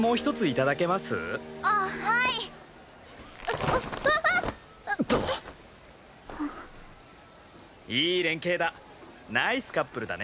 いい連携だ。